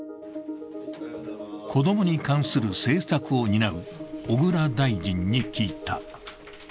子供に関する政策を担う小倉大臣に聞いた。